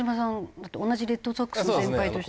同じレッドソックスの先輩として。